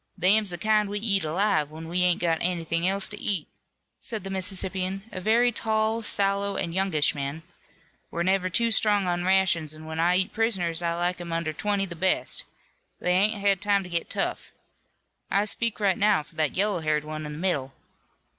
"Them's the kind we eat alive, when we ain't got anything else to eat," said the Mississippian, a very tall, sallow and youngish man. "We're never too strong on rations, and when I eat prisoners I like 'em under twenty the best. They ain't had time to get tough. I speak right now for that yellow haired one in the middle."